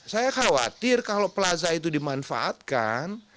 saya khawatir kalau plaza itu dimanfaatkan